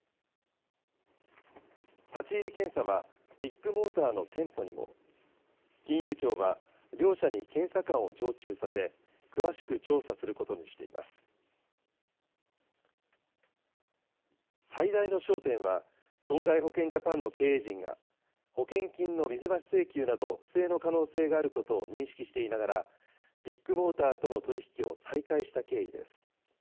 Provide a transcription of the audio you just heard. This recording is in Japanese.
立ち入り検査は、ビッグモーターの店舗にも。金融庁は、両社に検査官を常駐させ、詳しく調査することにしています。最大の焦点は、損害保険ジャパンの経営陣が、保険金の水増し請求など不正の可能性があることを認識していながら、ビッグモーターとの取り引きを再開した経緯です。